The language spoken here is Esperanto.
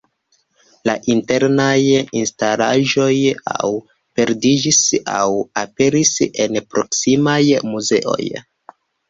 La internaj instalaĵoj aŭ perdiĝis, aŭ aperis en proksimaj muzeoj.